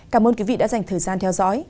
cảm ơn quý vị đã dành thời gian theo dõi